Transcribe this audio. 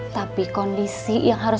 tapi kondisi yang harus